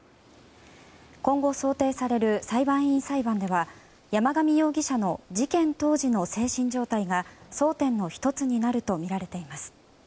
今後想定される裁判員裁判では山上容疑者の事件当時の精神状態が争点の１つになるとみられています。